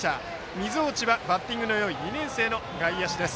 水落はバッティングのいい２年生の外野手です。